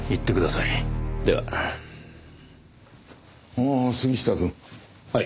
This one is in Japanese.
ああ杉下くん。はい。